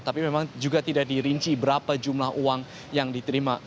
tapi memang juga tidak dirinci berapa jumlah uang yang diterima